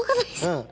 うん。